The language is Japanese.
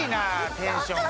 テンションが。